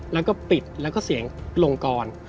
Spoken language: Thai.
แล้วก็ปิดแล้วก็เสียงลงกร